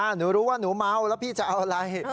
หนูรู้ว่าหนูเมาแล้วพี่จะเอาอะไร